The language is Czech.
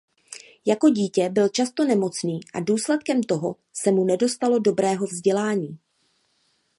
Jako dítě byl často nemocný a důsledkem toho se mu nedostalo dobrého vzdělaní.